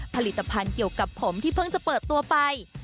ผลิตภัณฑ์เกี่ยวกับผมที่เพิ่งจะเปิดตัวไป